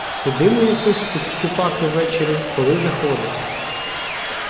Сидимо якось у Чучупаки ввечері, коли заходить.